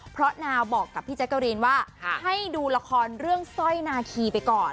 เพราะนาวบอกกับพี่แจ๊กกะรีนว่าให้ดูละครเรื่องสร้อยนาคีไปก่อน